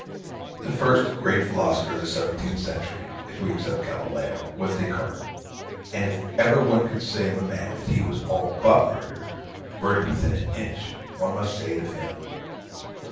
The first great philosopher of the seventeenth century (if we except Galileo) was Des Cartes; and if ever one could say of a man that he was all but murdered murdered within an inch one must say it of him.